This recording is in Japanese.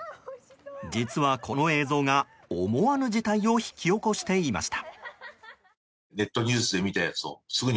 実はこの映像が思わぬ事態を引き起こしていました。